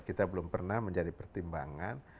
kita belum pernah menjadi pertimbangan